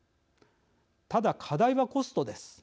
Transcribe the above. ただ、課題はコストです。